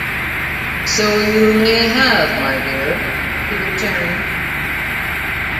"So you may have, my dear," he returned.